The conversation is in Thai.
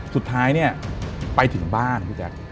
สุดท้ายเนี่ยไปถึงบ้านพี่แจ๊ค